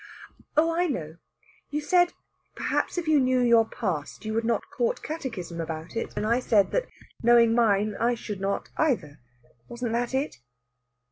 Oh, I know. You said, perhaps if you knew your past, you would not court catechism about it. And I said that, knowing mine, I should not either. Wasn't that it?"